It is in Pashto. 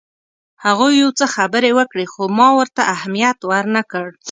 هغوی یو څه خبرې وکړې خو ما ورته اهمیت ورنه کړ.